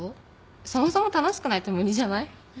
そもそも楽しくないと無理じゃない？ねえ？